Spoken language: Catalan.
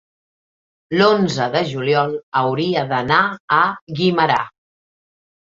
l'onze de juliol hauria d'anar a Guimerà.